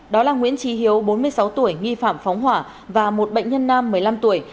đó là nguyễn trí hiếu bốn mươi sáu tuổi nghi phạm phóng hỏa và một bệnh nhân nam một mươi năm tuổi